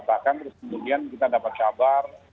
bahkan terus kemudian kita dapat kabar